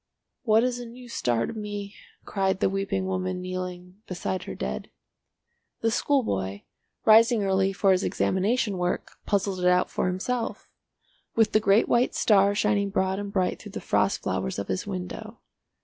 "What is a new star to me?" cried the weeping woman kneeling beside her dead. The schoolboy, rising early for his examination work, puzzled it out for himself—with the great white star shining broad and bright through the frost flowers of his window.